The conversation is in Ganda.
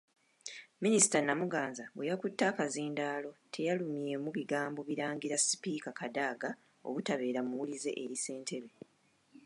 Minisita Namuganza bwe yakutte akazindaalo teyalumye mu bigambo n'alangira Sipiika Kadaga obutabeera muwulize eri Ssentebe.